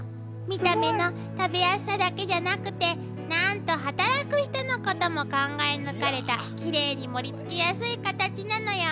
見た目の食べやすさだけじゃなくてなんと働く人のことも考え抜かれたきれいに盛りつけやすいカタチなのよ。